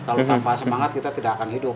kalau tanpa semangat kita tidak akan hidup